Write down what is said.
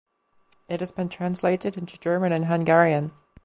It has been translated into German and Hungarian.